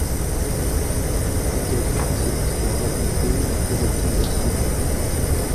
Peut-être, cette histoire racontée, dirait-il la sienne?